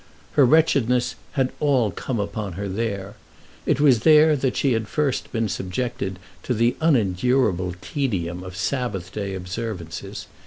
Her wretchedness had all come upon her there. It was there that she had first been subjected to the unendurable tedium of Sabbath Day observances.